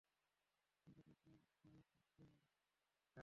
তুমি তো দেখি নাছোড়বান্দা।